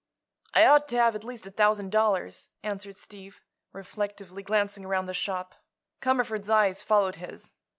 "I ought to have at least a thousand dollars," answered Steve, reflectively glancing around the shop. Cumberford's eyes followed his.